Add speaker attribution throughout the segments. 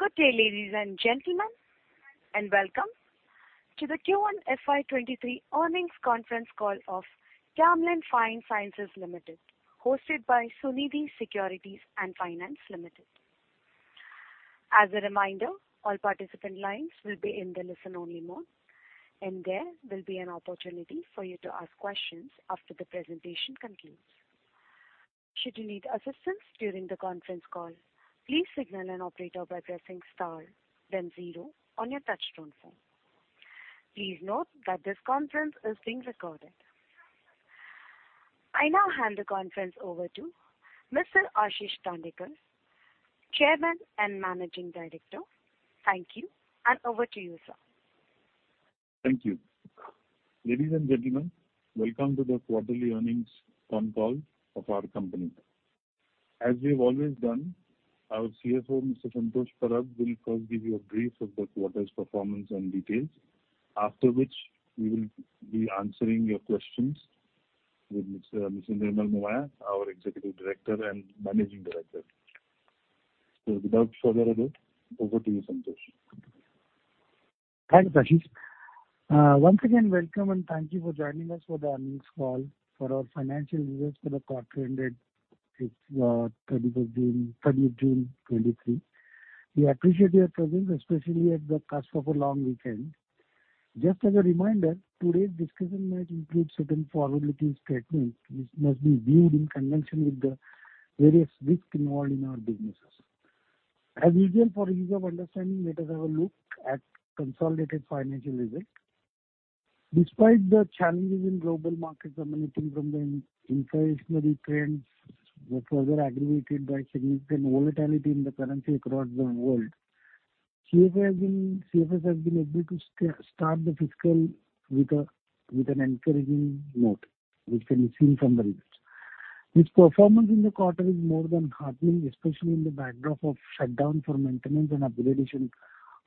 Speaker 1: Good day, ladies and gentlemen, and welcome to the Q1 FY23 earnings conference call of Camlin Fine Sciences Limited, hosted by Sunidhi Securities and Finance Limited. As a reminder, all participant lines will be in the listen-only mode, and there will be an opportunity for you to ask questions after the presentation concludes. Should you need assistance during the conference call, please signal an operator by pressing star then zero on your touchtone phone. Please note that this conference is being recorded. I now hand the conference over to Mr. Ashish Dandekar, Chairman and Managing Director. Thank you, and over to you, sir.
Speaker 2: Thank you. Ladies and gentlemen, welcome to the quarterly earnings conference call of our company. As we've always done, our CFO, Mr. Santosh Parab, will first give you a brief on the quarter's performance and details. After which we will be answering your questions with Mr. Nirmal Momaya, our Executive Director and Managing Director. Without further ado, over to you, Santosh.
Speaker 3: Thanks, Ashish. Once again, welcome, and thank you for joining us for the earnings call for our financial results for the quarter ended 30 June 2023. We appreciate your presence, especially at the cusp of a long weekend. Just as a reminder, today's discussion might include certain forward-looking statements which must be viewed in connection with the various risks involved in our businesses. As usual, for ease of understanding, let us have a look at consolidated financial results. Despite the challenges in global markets emanating from the inflationary trends were further aggravated by significant volatility in the currency across the world. CFS has been able to start the fiscal with an encouraging note, which can be seen from the results. This performance in the quarter is more than heartening, especially in the backdrop of shutdown for maintenance and upgradation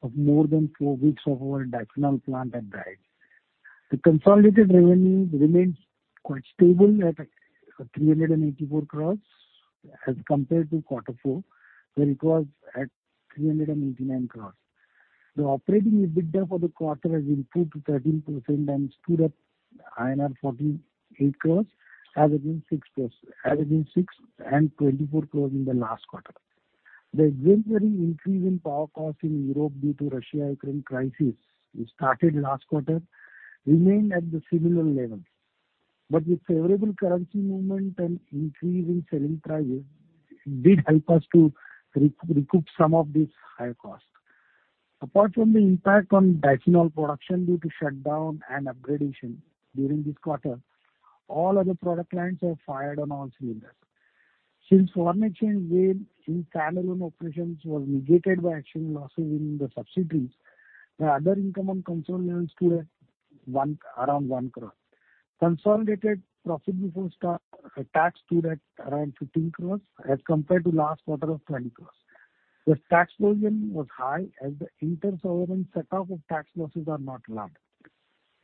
Speaker 3: of more than four weeks of our diacetyl plant at Dahej. The consolidated revenue remains quite stable at 384 crores as compared to Q4, where it was at 389 crores. The operating EBITDA for the quarter has improved to 13% and stood at INR 48 crores as against 6.24 crores in the last quarter. The exceptional increase in power costs in Europe due to Russia-Ukraine crisis, which started last quarter, remained at the similar levels. With favorable currency movement and increase in selling prices, it did help us to recoup some of these higher costs. Apart from the impact on diacetyl production due to shutdown and upgradation during this quarter, all other product lines have fired on all cylinders. Since foreign exchange gain in standalone operations was negated by exceptional losses in the subsidiaries, the other income on consolidated stood at around 1 crore. Consolidated profit before tax stood at around 15 crores as compared to last quarter of 20 crores. The tax provision was high, as the inter-segment setoff of tax losses are not allowed.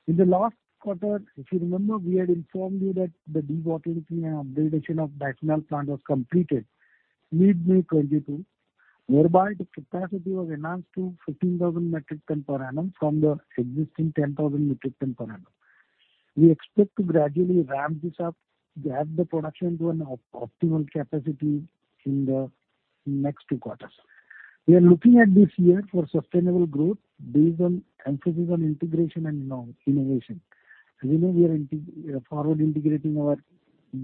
Speaker 3: In the last quarter, if you remember, we had informed you that the debottlenecking and upgradation of diacetyl plant was completed mid-May 2022, whereby the capacity was enhanced to 15,000 metric tons per annum from the existing 10,000 metric tons per annum. We expect to gradually ramp this up to have the production to an optimal capacity in the next two quarters. We are looking at this year for sustainable growth based on emphasis on integration and innovation. As you know, we are forward integrating our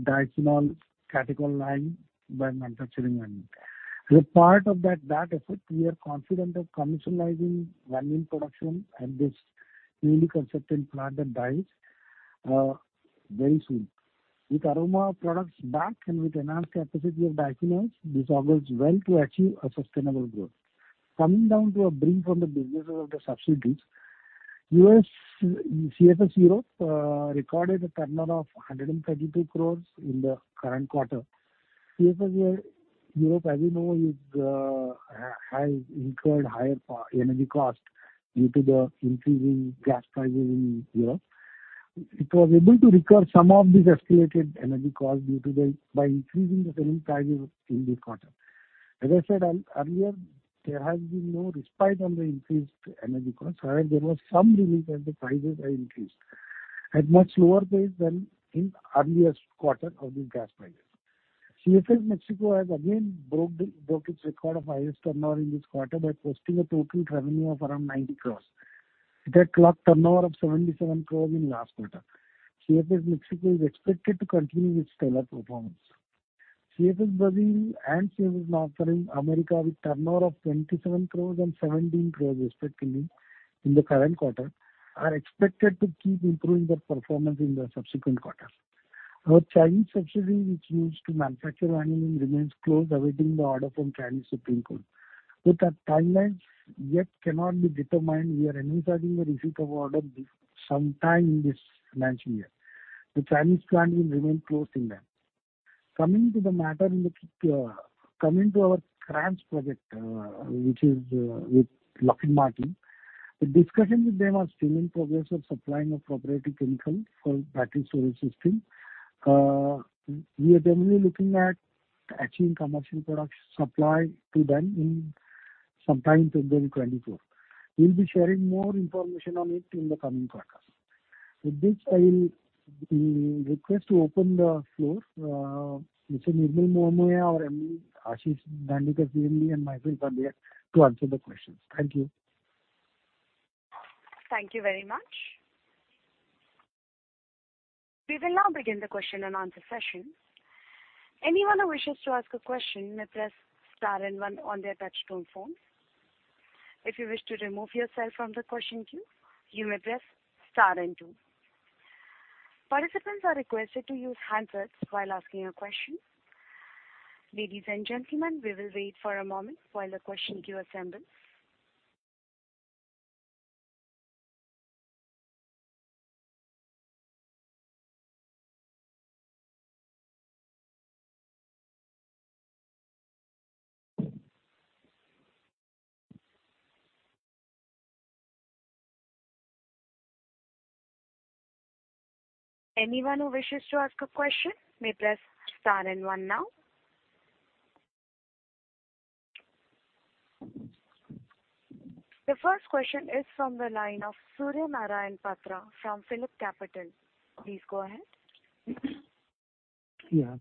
Speaker 3: diphenol catechol line by manufacturing vanillin. As a part of that effort, we are confident of commercializing vanillin production at this newly constructed plant at Dahej very soon. With aroma products back and with enhanced capacity of diphenol, this augurs well to achieve a sustainable growth. Coming down to a brief on the businesses of the subsidiaries. CFS Europe recorded a turnover of 132 crores in the current quarter. CFS Europe, as you know, has incurred higher energy costs due to the increasing gas prices in Europe. It was able to recover some of these escalated energy costs by increasing the selling prices in this quarter. As I said earlier, there has been no respite on the increased energy costs. However, there was some relief as the prices are increased at much lower pace than in earlier quarter of these gas prices. CFS Mexico has again broke its record of highest turnover in this quarter by posting a total revenue of around 90 crores. It had clocked turnover of 77 crores in last quarter. CFS Mexico is expected to continue its stellar performance. CFS Brazil and CFS North America, with turnover of 27 crores and 17 crores respectively in the current quarter, are expected to keep improving their performance in the subsequent quarters. Our Chinese subsidiary, which used to manufacture vanillin, remains closed awaiting the order from Supreme People's Court. With the timelines yet cannot be determined, we are envisaging the receipt of order sometime this financial year. The Chinese plant will remain closed, and then. Coming to our France project, which is with Lockheed Martin.The discussions with them are still in progress of supplying a proprietary chemical for battery solar system. We are definitely looking at achieving commercial product supply to them in sometime 2024. We'll be sharing more information on it in the coming quarters. With this, I'll request to open the floor. Mr. Nirmal Momaya or Ashish Dandekar, CMD, and myself are there to answer the questions. Thank you.
Speaker 1: Thank you very much. We will now begin the question and answer session. Anyone who wishes to ask a question may press star and one on their touch tone phone. If you wish to remove yourself from the question queue, you may press star and two. Participants are requested to use handsets while asking a question. Ladies and gentlemen, we will wait for a moment while the question queue assembles. Anyone who wishes to ask a question may press star and one now. The first question is from the line of Surya Narayan Patra from PhillipCapital. Please go ahead.
Speaker 4: Yeah.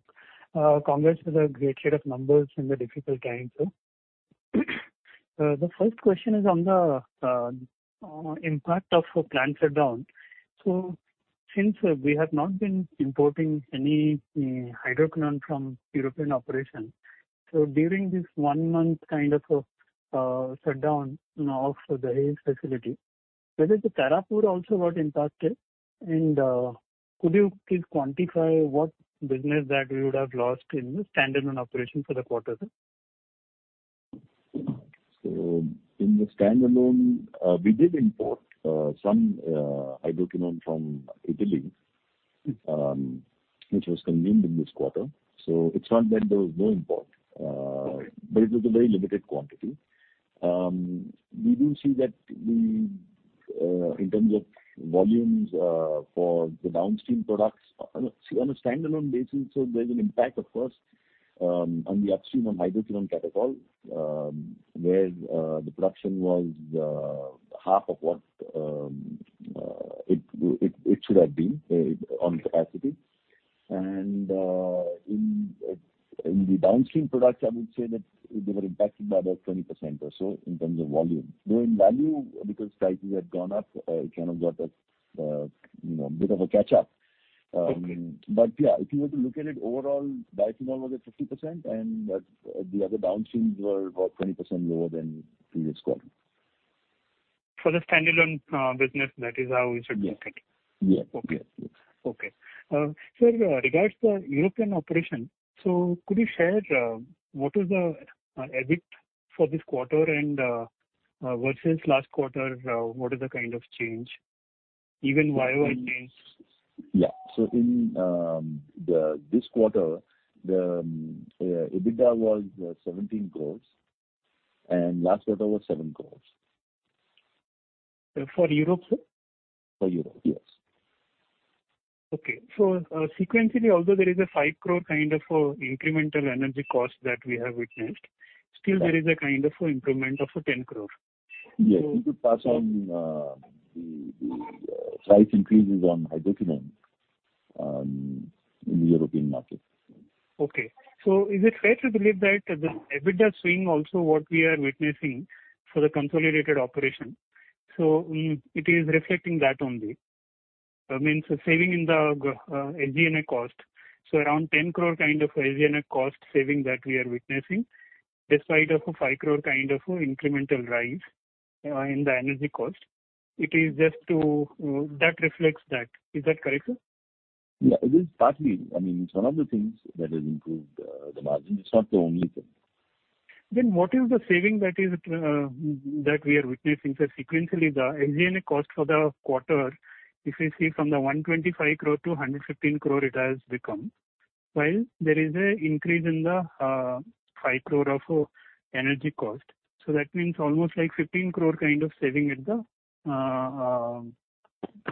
Speaker 4: Congrats with a great set of numbers in the difficult times, sir. The first question is on the impact of plant shutdown. Since we have not been importing any hydroquinone from European operations, so during this one month kind of shutdown of the Dahej facility, whether the Tarapur also got impacted? Could you please quantify what business that we would have lost in the standalone operation for the quarter, sir?
Speaker 5: In the standalone, we did import some hydroquinone from Italy, which was consumed in this quarter. It's not that there was no import, but it was a very limited quantity. We do see that in terms of volumes for the downstream products on a standalone basis, there's an impact of course on the upstream of hydroquinone catechol, where the production was half of what it should have been on capacity. In the downstream products, I would say that they were impacted by about 20% or so in terms of volume. Though in value, because prices had gone up, it kind of got us, you know, a bit of a catch-up.
Speaker 4: Okay.
Speaker 5: Yeah, if you were to look at it overall, diphenol was at 50% and the other downstreams were about 20% lower than previous quarter.
Speaker 4: For the standalone business, that is how we should look at it.
Speaker 5: Yeah.
Speaker 4: Okay.
Speaker 5: Yes, yes.
Speaker 4: Okay. Sir, regards to the European operation. Could you share what is the EBIT for this quarter and versus last quarter, what is the kind of change, even YOY change?
Speaker 5: In this quarter, the EBITDA was 17 crore and last quarter was 7 crore.
Speaker 4: For Europe, sir?
Speaker 5: For Europe, yes.
Speaker 4: Sequentially, although there is 5 crore kind of incremental energy cost that we have witnessed, still there is a kind of increment of 10 crore.
Speaker 5: Yes. We could pass on the price increases on Hydroquinone in the European market.
Speaker 4: Okay. Is it fair to believe that the EBITDA swing also what we are witnessing for the consolidated operation, so it is reflecting that only? Means the saving in the SG&A cost. Around 10 crore kind of SG&A cost saving that we are witnessing, despite of a 5 crore kind of incremental rise in the energy cost. It is just to that reflects that. Is that correct, sir?
Speaker 5: Yeah, it is partly. I mean, it's one of the things that has improved the margin. It's not the only thing.
Speaker 4: What is the saving that is, that we are witnessing, sir? Sequentially, the SG&A cost for the quarter, if we see from the 125 crore to 115 crore it has become. While there is a increase in the, 5 crore of, energy cost. That means almost like 15 crore kind of saving at the, other expense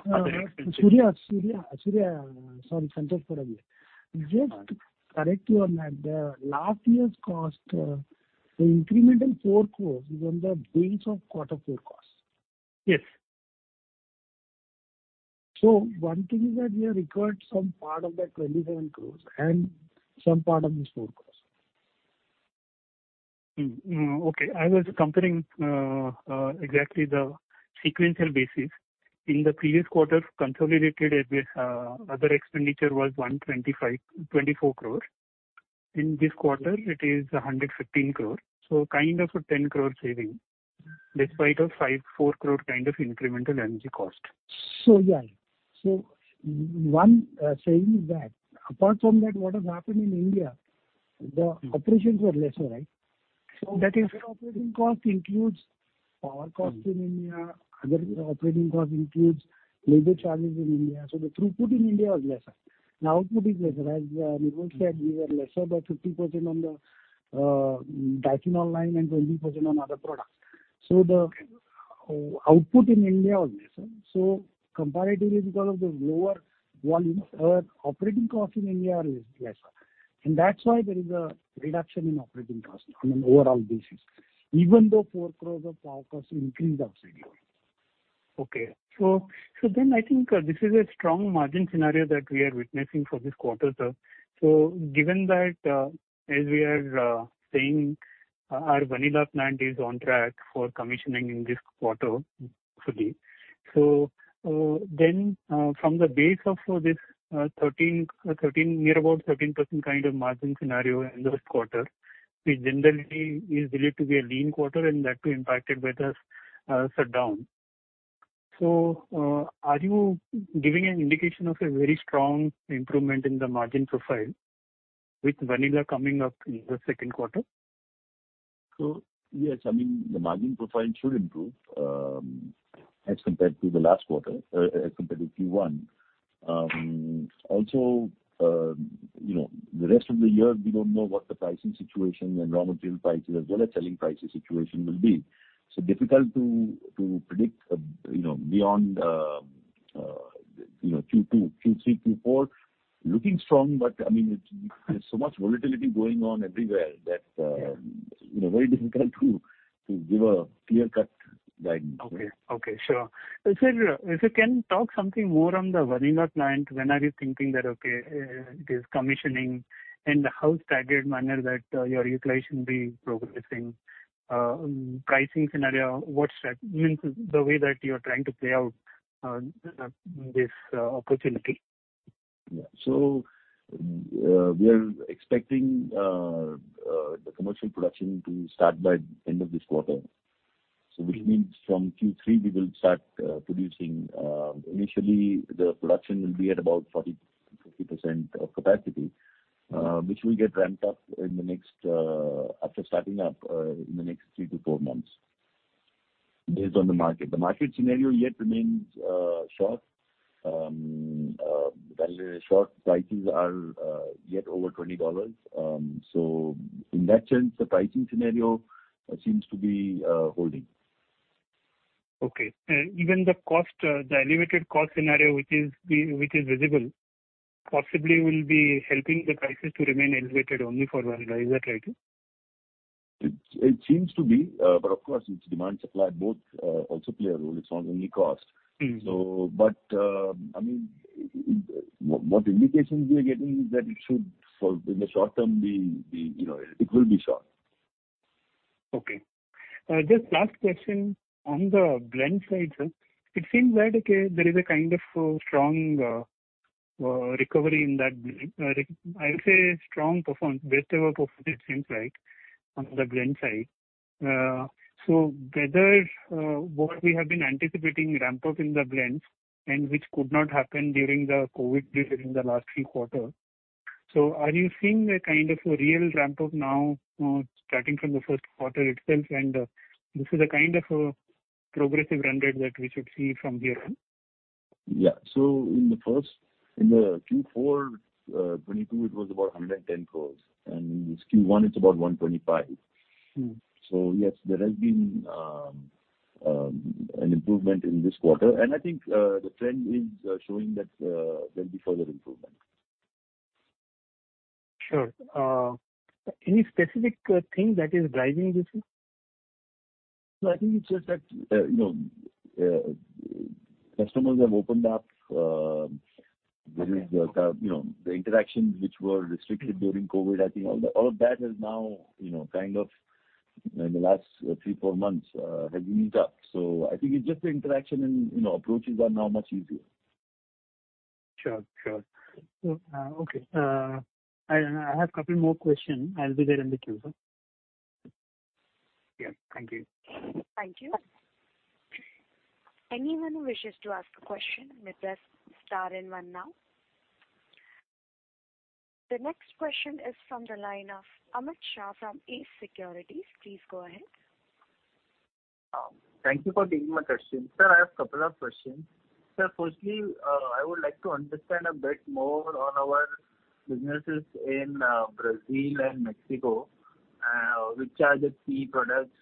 Speaker 4: end.
Speaker 3: Surya. Sorry, Santosh Parab. Just correct me if I'm wrong. The last year's cost, the incremental 4 crore is based on Q4 costs.
Speaker 4: Yes.
Speaker 3: One thing is that we have recovered some part of that 27 crore and some part of this 4 crore.
Speaker 4: Okay. I was comparing exactly the sequential basis. In the previous quarter, consolidated other expenditure was 124 crore. In this quarter, it is 115 crore. Kind of a 10 crore saving despite of 5.4 crore kind of incremental energy cost.
Speaker 3: Yeah. One saving is that. Apart from that, what has happened in India, the operations were lesser, right? That infrastructure operating cost includes power costs in India, other operating cost includes labor charges in India. The throughput in India was lesser. The output is lesser. As Nirmal Momaya said, we were lesser by 50% on the diphenol line and 20% on other products. The output in India was lesser. Comparatively, because of the lower volumes, our operating costs in India are less, lesser. That's why there is a reduction in operating costs on an overall basis, even though 4 crore of power costs increased outside Europe.
Speaker 4: I think this is a strong margin scenario that we are witnessing for this quarter, sir. Given that, as we are saying our vanilla plant is on track for commissioning in this quarter fully. From the base of this 13% kind of margin scenario in the first quarter, which generally is believed to be a lean quarter and that too impacted by the shutdown. Are you giving an indication of a very strong improvement in the margin profile with vanilla coming up in the Q2?
Speaker 5: Yes, I mean, the margin profile should improve as compared to the last quarter as compared to Q1. Also, you know, the rest of the year we don't know what the pricing situation and raw material prices as well as selling prices situation will be. Difficult to predict you know beyond Q2, Q3, Q4. Looking strong, but I mean, it's, there's so much volatility going on everywhere that you know very difficult to give a clear cut guidance.
Speaker 4: Okay. Sure. If you can talk something more on the vanilla plant. When are you thinking that it is commissioning and how staggered manner that your utilization be progressing? Pricing scenario, what's that mean, the way that you're trying to play out this opportunity?
Speaker 5: Yeah. We are expecting the commercial production to start by end of this quarter. Which means from Q3 we will start producing. Initially the production will be at about 40-50% of capacity, which will get ramped up after starting up in the next 3-4 months based on the market. The market scenario yet remains short. Vanilla short prices are yet over $20. In that sense, the pricing scenario seems to be holding.
Speaker 4: Okay. Even the cost, the elevated cost scenario, which is visible, possibly will be helping the prices to remain elevated only for vanilla. Is that right too?
Speaker 5: It seems to be, but of course it's demand, supply both also play a role. It's not only cost.
Speaker 4: Mm-hmm.
Speaker 5: I mean, what indications we are getting is that it should for in the short term be, you know, it will be short.
Speaker 4: Okay. Just last question on the blend side, sir. It seems that, okay, there is a kind of a strong recovery in that blend. I would say strong performance, best ever performance it seems like on the blend side. Whether what we have been anticipating ramp up in the blends and which could not happen during the COVID period in the last three quarters. Are you seeing a kind of a real ramp up now, starting from the Q4 itself, and this is a kind of a progressive trend that we should see from here on?
Speaker 5: In the Q4 2022 it was about 110 crores, and this Q1 it's about 125 crores.
Speaker 4: Mm-hmm.
Speaker 5: Yes, there has been an improvement in this quarter. I think the trend is showing that there'll be further improvement.
Speaker 4: Sure. Any specific thing that is driving this, sir?
Speaker 5: No, I think it's just that, you know, customers have opened up, various, you know, the interactions which were restricted during COVID. I think all of that has now, you know, kind of in the last, 3, 4 months, has eased up. I think it's just the interaction and, you know, approaches are now much easier.
Speaker 4: Sure. Okay. I have couple more question. I'll be there in the queue, sir.
Speaker 5: Yes. Thank you.
Speaker 1: Thank you. Anyone who wishes to ask a question may press star and one now. The next question is from the line of Amit Shah from ACE Securities. Please go ahead.
Speaker 6: Thank you for taking my question. Sir, I have couple of questions. Sir, firstly, I would like to understand a bit more on our businesses in, Brazil and Mexico. Which are the key products,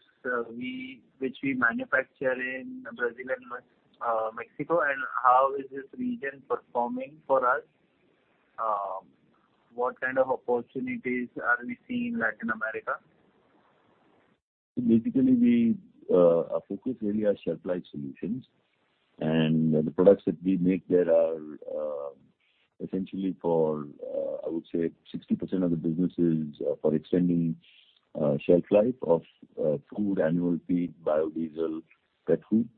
Speaker 6: which we manufacture in Brazil and Mexico, and how is this region performing for us? What kind of opportunities are we seeing in Latin America?
Speaker 5: Basically we, our focus really are Shelf Life Solutions. The products that we make there are essentially for, I would say 60% of the business is for extending shelf life of food, animal feed, Biodiesel, pet food,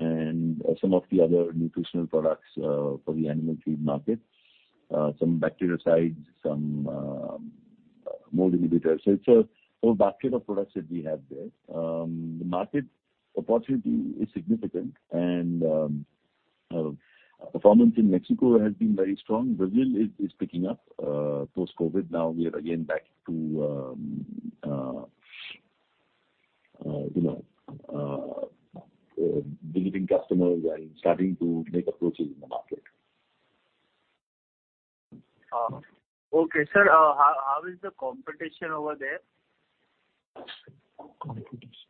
Speaker 5: and some of the other nutritional products for the animal feed markets, some bactericides, some mold inhibitors. It's a whole basket of products that we have there. The market opportunity is significant. Performance in Mexico has been very strong. Brazil is picking up post-COVID. Now we are again back to you know, visiting customers and starting to make approaches in the market.
Speaker 6: Okay. Sir, how is the competition over there?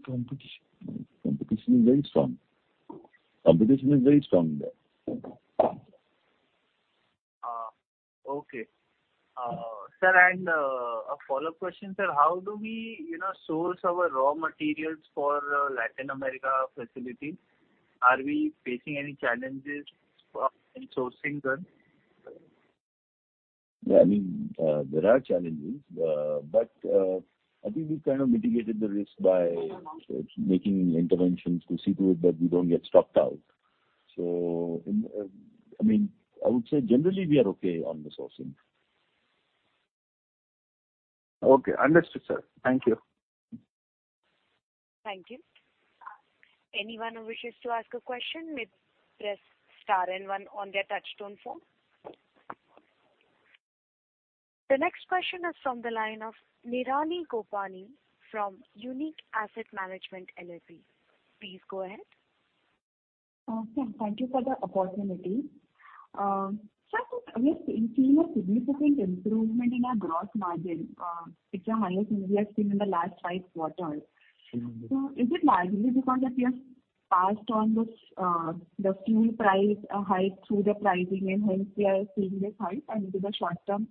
Speaker 5: Competition is very strong. Competition is very strong there.
Speaker 6: sir, a follow-up question, sir. How do we, you know, source our raw materials for Latin America facilities? Are we facing any challenges in sourcing them?
Speaker 5: Yeah, I mean, there are challenges. I think we've kind of mitigated the risk by making interventions to see to it that we don't get stocked out. In, I mean, I would say generally we are okay on the sourcing.
Speaker 3: Okay. Understood, sir. Thank you.
Speaker 1: Thank you. Anyone who wishes to ask a question may press star and one on their touchtone phone. The next question is from the line of Nirali Gopani from Unique Asset Management LLP. Please go ahead.
Speaker 7: Yeah. Thank you for the opportunity. Sir, we are seeing a significant improvement in our gross margin, which is the highest margin we have seen in the last five quarters. Is it likely because if you have passed on this, the fuel price hike through the pricing and hence we are seeing this hike and it is a short-term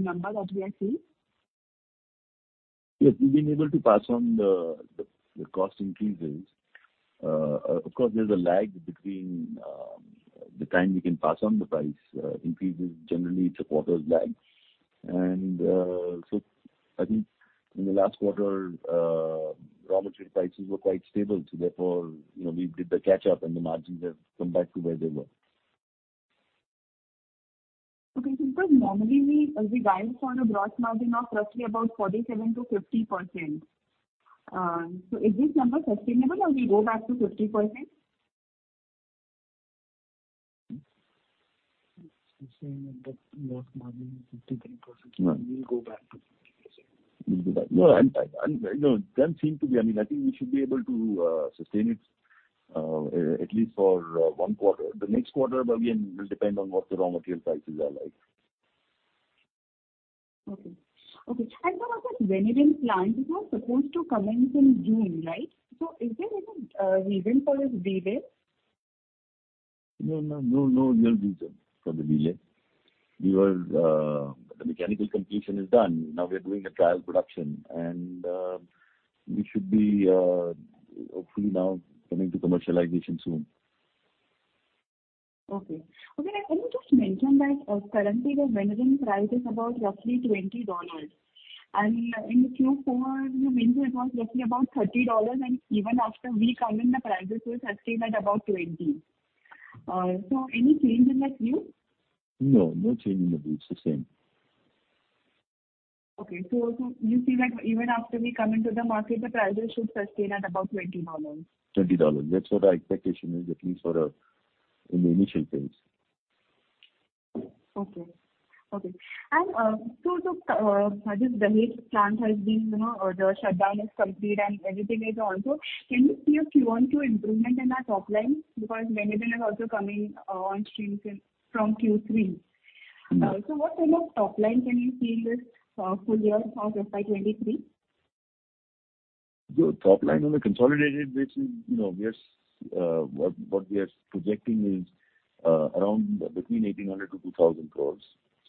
Speaker 7: number that we are seeing?
Speaker 5: Yes, we've been able to pass on the cost increases. Of course, there's a lag between the time we can pass on the price increases. Generally, it's a quarter's lag. I think in the last quarter raw material prices were quite stable. Therefore, you know, we did the catch-up and the margins have come back to where they were.
Speaker 7: Okay. Because normally we guide for a gross margin of roughly about 47%-50%. Is this number sustainable or we go back to 50%?
Speaker 2: She's saying that gross margin is 53%. We'll go back to 50%.
Speaker 5: No. You know, doesn't seem to be. I mean, I think we should be able to sustain it at least for one quarter. The next quarter, again, will depend on what the raw material prices are like.
Speaker 7: Okay. Sir, our vanillin plant was supposed to commence in June, right? Is there any reason for this delay?
Speaker 5: No real reason for the delay. We were. The mechanical completion is done. Now we're doing a trial production and we should be, hopefully now coming to commercialization soon.
Speaker 7: Can you just mention that, currently the vanillin price is about roughly $20, and in Q4 you mentioned it was roughly about $30, and even after we come in, the prices were sustained at about $20. Any change in that view?
Speaker 5: No. No change in the view. It's the same.
Speaker 7: You see that even after we come into the market, the prices should sustain at about $20.
Speaker 5: $20. That's what our expectation is, at least for, in the initial phase.
Speaker 7: I guess the vanillin plant has been, you know, the shutdown is complete and everything is on board. Can we see a Q1, Q2 improvement in our top line? Because vanillin is also coming on stream from Q3.
Speaker 5: Mm-hmm.
Speaker 7: What kind of top line can we see this full year of FY 2023?
Speaker 5: The top line on a consolidated basis, you know, we are what we are projecting is around between 1,800-2,000 crore.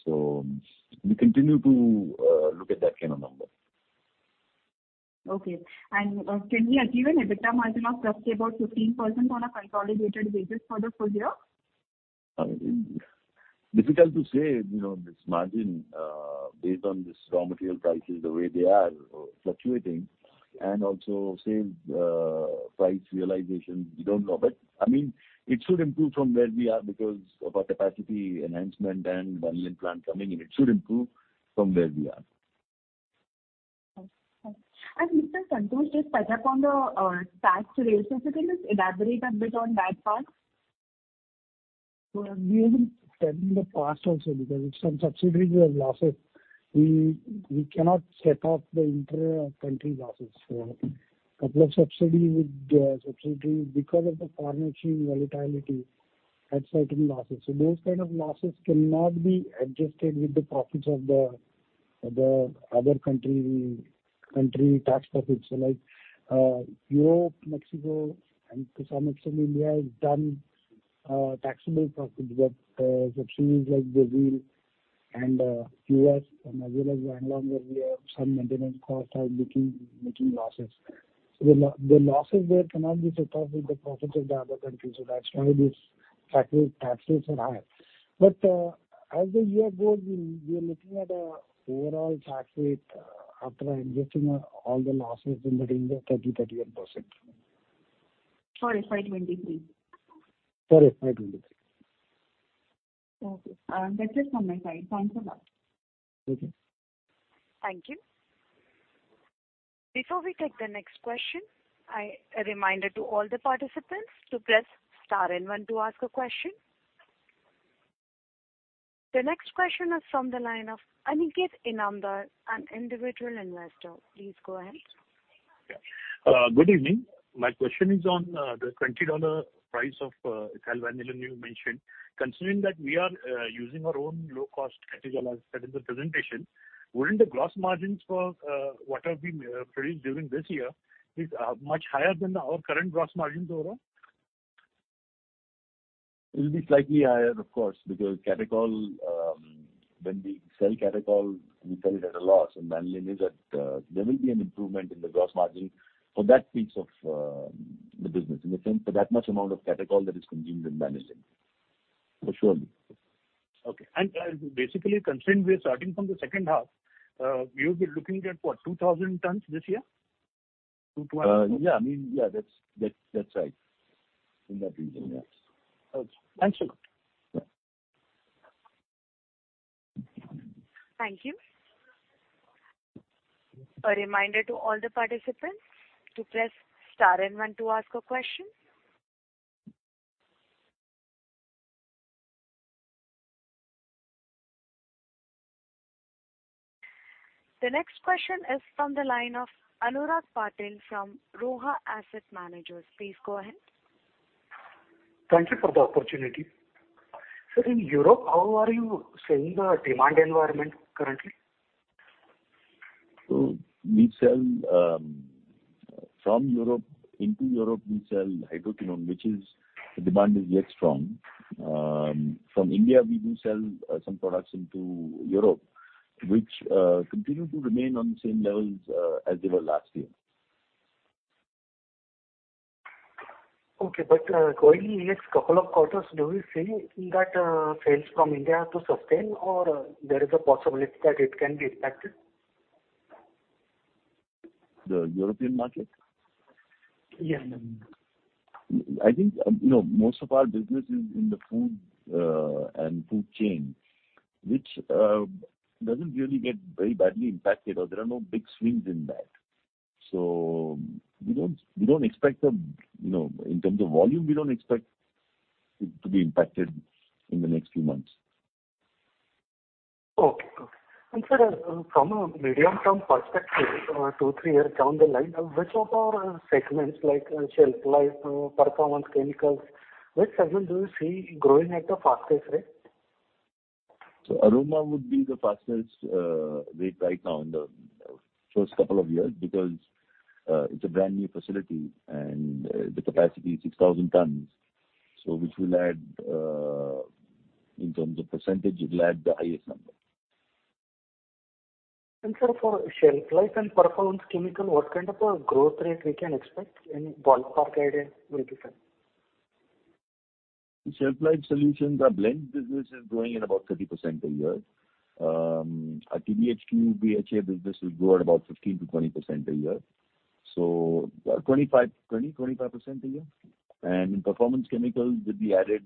Speaker 5: We continue to look at that kind of number.
Speaker 7: Can we achieve an EBITDA margin of roughly about 15% on a consolidated basis for the full year?
Speaker 5: I mean, difficult to say, you know, this margin based on this raw material prices, the way they are fluctuating and also sales price realization, we don't know. I mean, it should improve from where we are because of our capacity enhancement and vanillin plant coming in. It should improve from where we are.
Speaker 7: Okay. Mr. Santosh, just touch upon the tax rate. Can you elaborate a bit on that part?
Speaker 3: We have been telling the past also because in some subsidiaries we have losses. We cannot set off the inter-country losses. Couple of subsidiaries with subsidiaries because of the foreign exchange volatility had certain losses. Those kind of losses cannot be adjusted with the profits of the other country's tax profits. Like Europe, Mexico and to some extent India has done taxable profits, but subsidiaries like Brazil and U.S. and as well as Bangladesh, we have some maintenance costs are making losses. The losses there cannot be set off with the profits of the other countries. That's why this tax rate, tax rates are high. As the year goes, we are looking at a overall tax rate after adjusting all the losses in the range of 30%-31%.
Speaker 7: For FY 2023.
Speaker 3: For FY 2023.
Speaker 7: Okay. That's it from my side. Thanks a lot.
Speaker 3: Okay.
Speaker 1: Thank you. Before we take the next question, a reminder to all the participants to press star and one to ask a question. The next question is from the line of Aniket Inamdar, an individual investor. Please go ahead.
Speaker 8: Yeah. Good evening. My question is on the $20 price of vanillin you mentioned. Considering that we are using our own low-cost catechol, as said in the presentation, wouldn't the gross margins for what have been produced during this year is much higher than our current gross margins overall?
Speaker 5: It will be slightly higher, of course, because Catechol, when we sell Catechol, we sell it at a loss, and vanillin is at. There will be an improvement in the gross margin for that piece of the business. In a sense, for that much amount of Catechol that is consumed in vanillin. For sure.
Speaker 8: Okay. Basically considering we're starting from the second half, we will be looking at what? 2,000 tons this year?
Speaker 5: Yeah. I mean, yeah. That's right. In that region, yes.
Speaker 8: Okay. Thank you.
Speaker 5: Yeah.
Speaker 1: Thank you. A reminder to all the participants to press star and one to ask a question. The next question is from the line of Anurag Patil from Roha Asset Managers. Please go ahead.
Speaker 9: Thank you for the opportunity. Sir, in Europe, how are you seeing the demand environment currently?
Speaker 5: We sell from Europe. Into Europe, we sell Hydroquinone, which its demand is yet strong. From India, we do sell some products into Europe, which continue to remain on the same levels as they were last year.
Speaker 9: Okay. Going the next couple of quarters, do you see that sales from India to sustain, or there is a possibility that it can be impacted?
Speaker 5: The European market?
Speaker 9: Yeah.
Speaker 5: I think, you know, most of our business is in the food and food chain, which doesn't really get very badly impacted, or there are no big swings in that. In terms of volume, we don't expect it to be impacted in the next few months.
Speaker 9: Okay, okay. Sir, from a medium-term perspective, 2, 3 years down the line, which of our segments like Shelf Life, Performance Chemicals, which segment do you see growing at the fastest rate?
Speaker 5: Aroma would be the fastest rate right now in the first couple of years because it's a brand-new facility, and the capacity is 6,000 tons. Which will add, in terms of percentage, it'll add the highest number.
Speaker 9: Sir, for shelf life and performance chemical, what kind of a growth rate we can expect? Any ballpark idea would be fine.
Speaker 5: Shelf Life Solutions, our blend business is growing at about 30% a year. Our TBHQ, BHA business will grow at about 15%-20% a year. 25, 20, 25% a year. In Performance Chemicals, with the added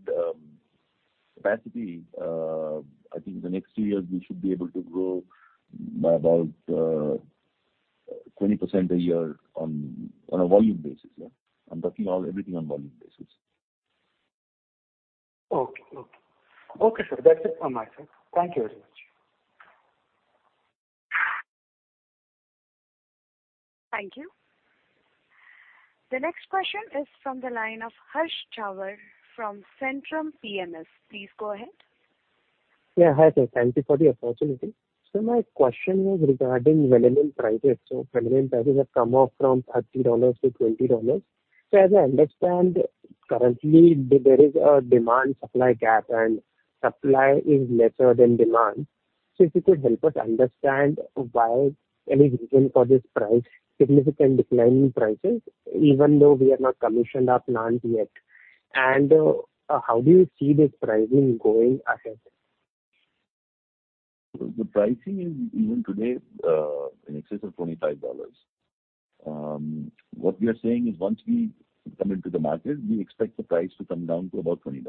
Speaker 5: capacity, I think in the next two years we should be able to grow by about 20% a year on a volume basis, yeah. I'm talking all, everything on volume basis.
Speaker 9: Okay, sir. That's it from my side. Thank you very much.
Speaker 1: Thank you. The next question is from the line of Harsh Chawla from Centrum Broking. Please go ahead.
Speaker 10: Yeah. Hi, sir. Thank you for the opportunity. My question was regarding vanillin prices. Vanillin prices have come off from $30 to $20. As I understand, currently there is a demand-supply gap, and supply is lesser than demand. If you could help us understand why, any reason for this price, significant decline in prices, even though we have not commissioned our plant yet. How do you see this pricing going ahead?
Speaker 5: The pricing is even today in excess of $25. What we are saying is once we come into the market, we expect the price to come down to about $20.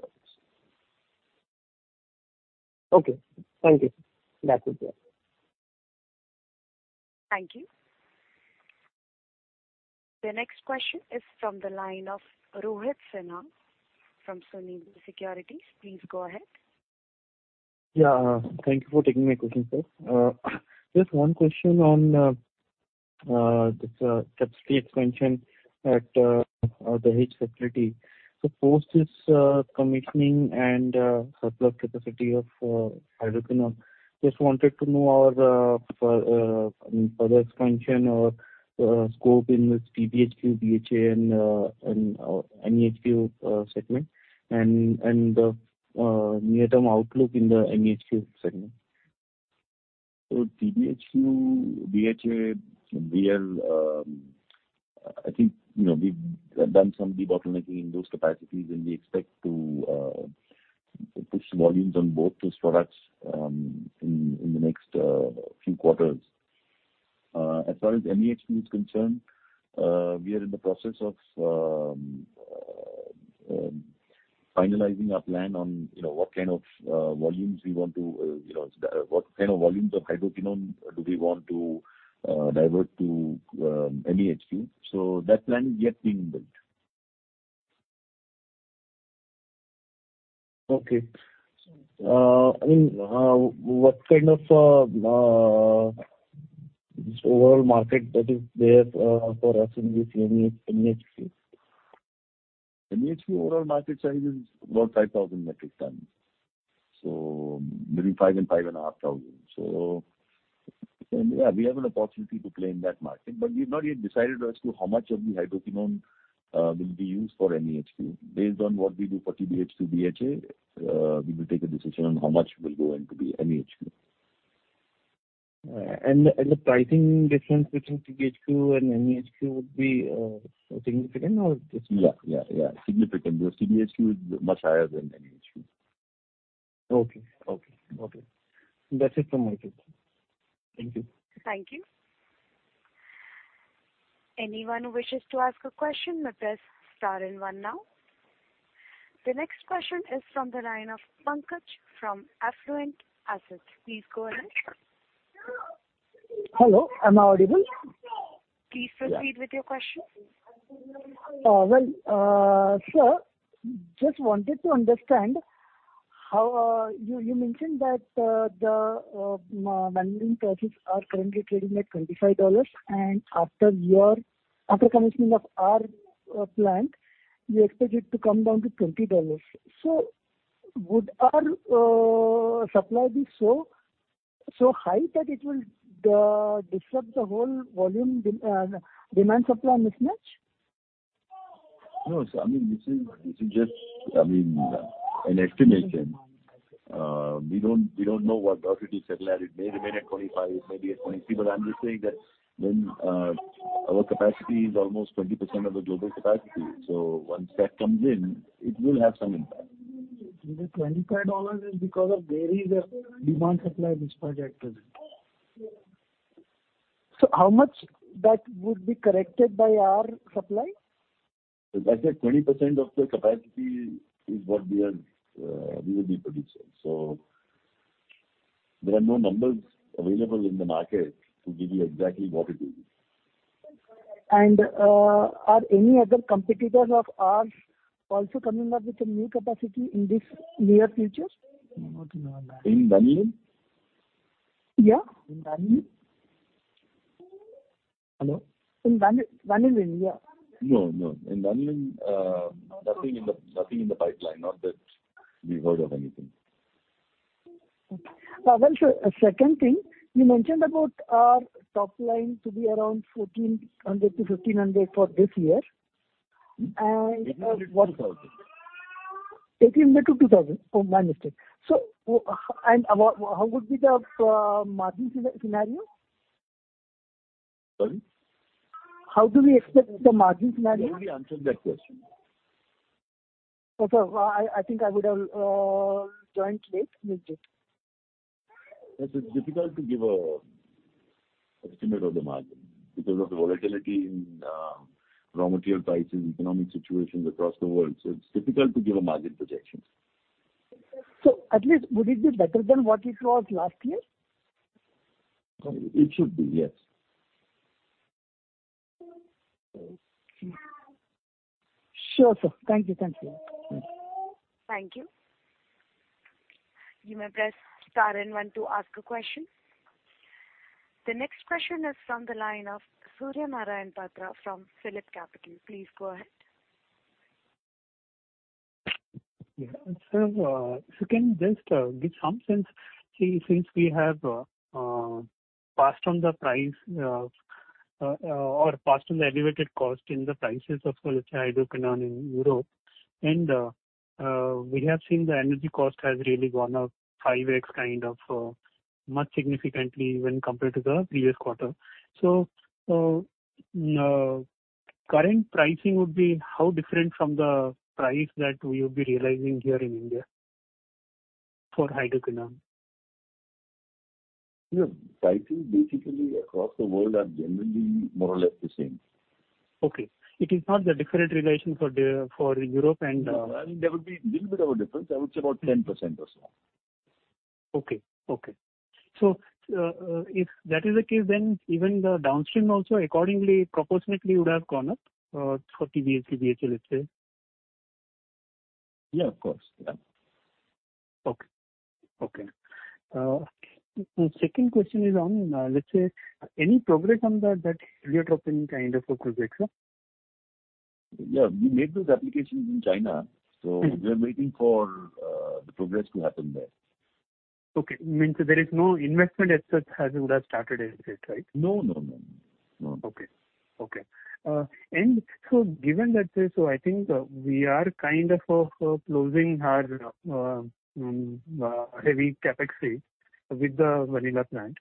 Speaker 10: Okay. Thank you. That's it then.
Speaker 1: Thank you. The next question is from the line of Rohit Sinha from Sunidhi Securities. Please go ahead.
Speaker 11: Yeah. Thank you for taking my question, sir. Just one question on this capacity expansion at the HQ facility. Post this commissioning and surplus capacity of hydroquinone, just wanted to know our further expansion or scope in this TBHQ, BHA and MEHQ segment and the near-term outlook in the MEHQ segment.
Speaker 5: TBHQ, BHA, we are, I think, you know, we've done some debottlenecking in those capacities, and we expect to push volumes on both those products in the next few quarters. As far as MEHQ is concerned, we are in the process of finalizing our plan on, you know, what kind of volumes of Hydroquinone do we want to divert to MEHQ. That plan is yet being built.
Speaker 11: Okay. I mean, what kind of overall market that is there for us in this MEHQ?
Speaker 5: MEHQ overall market size is about 5,000 metric tons. Between 5,000 and 5,500. Yeah, we have an opportunity to play in that market. We've not yet decided as to how much of the hydroquinone will be used for MEHQ. Based on what we do for TBHQ, BHA, we will take a decision on how much will go into the MEHQ.
Speaker 11: The pricing difference between TBHQ and MEHQ would be significant or just
Speaker 5: Yeah. Significant. The TBHQ is much higher than MEHQ.
Speaker 11: Okay. That's it from my side. Thank you.
Speaker 1: Thank you. Anyone who wishes to ask a question may press star and one now. The next question is from the line of Pankaj from Affluent Assets. Please go ahead.
Speaker 12: Hello, am I audible?
Speaker 1: Please proceed with your question.
Speaker 12: Well, sir, just wanted to understand how you mentioned that the vanillin prices are currently trading at $25, and after commissioning of our plant, you expect it to come down to $20. Would our supply be so high that it will disrupt the whole demand supply mismatch?
Speaker 5: No, I mean, this is just, I mean, an estimation. We don't know what the opportunity set. It may remain at 25, it may be at 20, but I'm just saying that when our capacity is almost 20% of the global capacity, so once that comes in, it will have some impact.
Speaker 3: The $25 is because of where the demand-supply mismatch is at present.
Speaker 12: How much that would be covered by our supply?
Speaker 5: As I said, 20% of the capacity is what we will be producing. There are no numbers available in the market to give you exactly what it is.
Speaker 12: Are any other competitors of ours also coming up with some new capacity in this near future?
Speaker 3: Not that I know of.
Speaker 5: In vanillin?
Speaker 3: Yeah.
Speaker 5: In vanillin?
Speaker 12: Hello? In vanillin, yeah.
Speaker 5: No, no. In vanillin, nothing in the pipeline. Not that we've heard of anything.
Speaker 3: Well, a second thing, you mentioned about our top line to be around 1,400-1,500 for this year.
Speaker 5: Eighteen hundred to two thousand.
Speaker 3: 1,800-2,000. Oh, my mistake. How would be the margin scenario?
Speaker 5: Sorry?
Speaker 3: How do we expect the margin scenario?
Speaker 5: I already answered that question.
Speaker 12: Okay. Well, I think I would have joined late, missed it.
Speaker 5: Yes, it's difficult to give an estimate of the margin because of the volatility in raw material prices, economic situations across the world, so it's difficult to give a margin projection.
Speaker 12: At least would it be better than what it was last year?
Speaker 5: It should be, yes.
Speaker 12: Okay. Sure, sir. Thank you. Thank you.
Speaker 1: Thank you. You may press star and one to ask a question. The next question is from the line of Surya Narayan Patra from PhillipCapital. Please go ahead.
Speaker 4: Sir, if you can just give some sense, say, since we have passed on the elevated cost in the prices of, let's say, Hydroquinone in Europe, and we have seen the energy cost has really gone up 5x kind of much more significantly when compared to the previous quarter, current pricing would be how different from the price that we would be realizing here in India for Hydroquinone?
Speaker 5: Yeah. Pricing basically across the world are generally more or less the same.
Speaker 4: Okay. It is not the different revision for Europe and.
Speaker 5: No. I mean, there would be little bit of a difference. I would say about 10% or so.
Speaker 4: Okay, if that is the case, then even the downstream also accordingly proportionately would have gone up for TBHQ, BHA, let's say.
Speaker 5: Yeah, of course. Yeah.
Speaker 4: Okay. Second question is on, let's say any progress on that Heliotropin kind of a project, sir?
Speaker 5: Yeah. We made those applications in China.
Speaker 4: Mm-hmm.
Speaker 5: We are waiting for the progress to happen there.
Speaker 4: Okay. Means there is no investment as such as would have started as yet, right?
Speaker 5: No, no. No.
Speaker 4: Okay. Given that, I think we are kind of closing our heavy CapEx phase with the vanillin plant.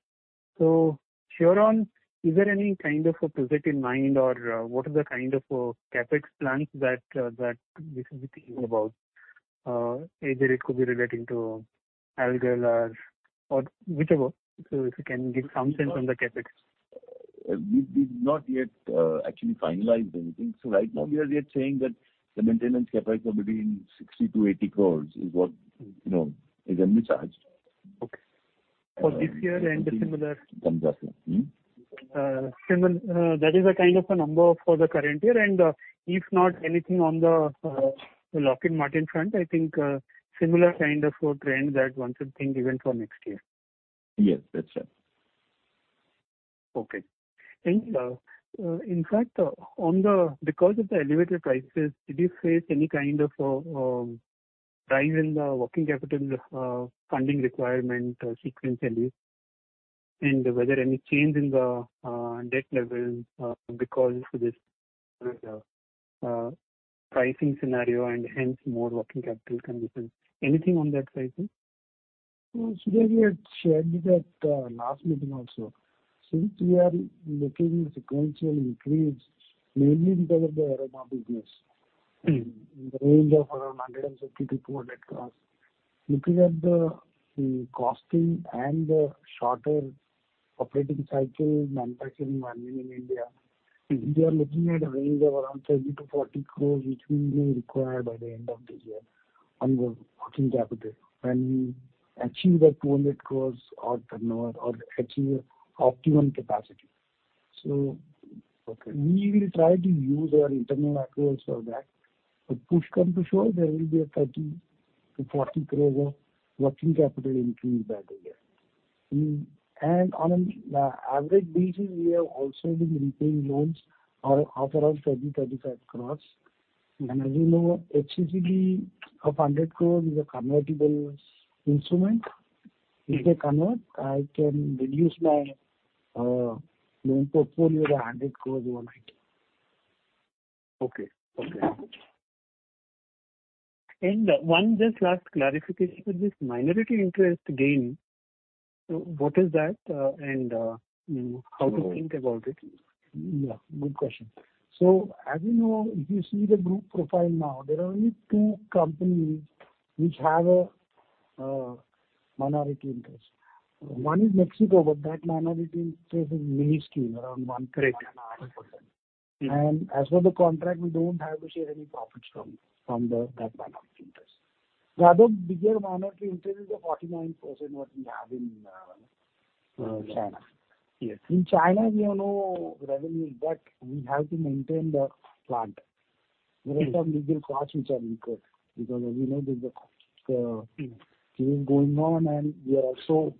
Speaker 4: Hereon, is there any kind of a project in mind or what is the kind of CapEx plans that we should be thinking about? Either it could be relating to Algal or whichever. If you can give some sense on the CapEx.
Speaker 5: We've not yet actually finalized anything. Right now we are yet saying that the maintenance CapEx of between 60-80 crores is what, you know, is only charged.
Speaker 4: Okay. For this year and the similar.
Speaker 3: Approximately.
Speaker 4: Similar, that is a kind of a number for the current year and, if not anything on the Lockheed Martin front, I think, similar kind of trend that one should think even for next year.
Speaker 3: Yes, that's right.
Speaker 4: Okay. In fact, because of the elevated prices, did you face any kind of rise in the working capital funding requirement sequentially? Whether any change in the debt levels because of this pricing scenario and hence more working capital conditions. Anything on that pricing?
Speaker 3: No. We had shared that last meeting also. Since we are looking sequential increase mainly because of the Aroma business.
Speaker 4: Mm-hmm.
Speaker 3: In the range of around 150-200 crores. Looking at the costing and the shorter operating cycle manufacturing margin in India, we are looking at a range of around 30-40 crores, which will be required by the end of this year on the working capital. When we achieve that 200 crores of turnover or achieve optimum capacity.
Speaker 4: Okay.
Speaker 3: We will try to use our internal accruals for that. Push comes to shove there will be a 30-40 crores of working capital increase that year.
Speaker 4: Mm-hmm.
Speaker 3: On an average basis, we have also been repaying loans of around 30-35 crores. As you know, CCD of 100 crores is a convertible instrument. If they convert, I can reduce my loan portfolio INR 100 crores over it.
Speaker 4: Okay. One just last clarification for this minority interest gain. What is that, and, you know, how to think about it?
Speaker 3: Yeah, good question. As you know, if you see the group profile now, there are only two companies which have a minority interest. One is Mexico, but that minority interest is minuscule, around 1%.
Speaker 4: One and a half percent.
Speaker 3: As per the contract, we don't have to share any profits from that minority interest. The other bigger minority interest is the 49% what we have in China.
Speaker 4: Yes.
Speaker 3: In China, we have no revenue, but we have to maintain the plant.
Speaker 4: Mm-hmm.
Speaker 3: There are some legal costs which are incurred because as we know there's a.
Speaker 4: Mm-hmm
Speaker 3: Case going on, and we are also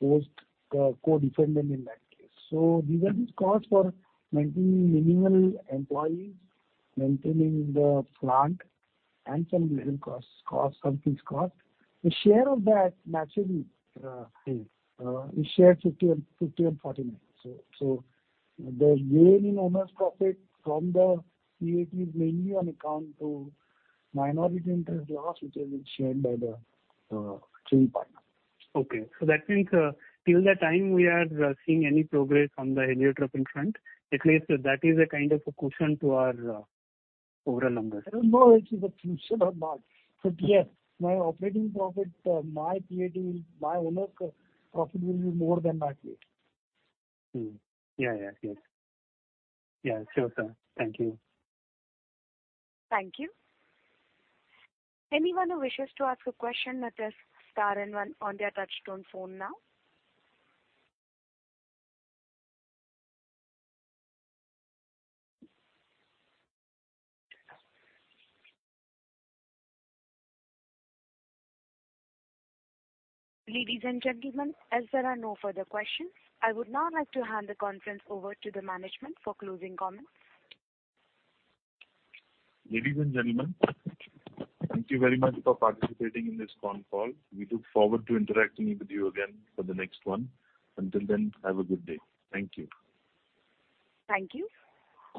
Speaker 3: forced co-defendant in that case. These costs for maintaining minimal employees, maintaining the plant and some legal costs, something's cost. The share of that naturally we share 50 and 50 and 49. The gain in owner's profit from the PAT is mainly on account of minority interest loss, which has been shared by the three partners.
Speaker 4: Okay. That means till the time we are seeing any progress on the Heliotropin front, at least that is a kind of a cushion to our overall numbers.
Speaker 3: I don't know if it's a cushion or not. Yes, my operating profit, my owner's profit will be more than last year.
Speaker 4: Yeah. Yeah. Yes. Yeah. Sure, sir. Thank you.
Speaker 1: Thank you. Anyone who wishes to ask a question may press star and one on their touchtone phone now. Ladies and gentlemen, as there are no further questions, I would now like to hand the conference over to the management for closing comments.
Speaker 3: Ladies and gentlemen, thank you very much for participating in this con call. We look forward to interacting with you again for the next one. Until then, have a good day. Thank you.
Speaker 1: Thank you.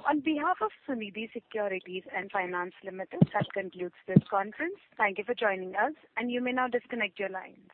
Speaker 1: On behalf of Sunidhi Securities and Finance Limited, that concludes this conference. Thank you for joining us, and you may now disconnect your lines.